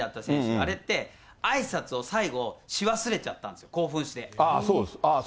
あれってあいさつを最後、し忘れちゃったんですよ、興奮して。